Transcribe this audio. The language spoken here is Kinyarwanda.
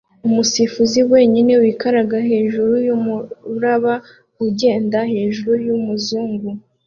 umusifuzi wenyine wikaraga hejuru yumuraba ugenda hejuru yumuzungu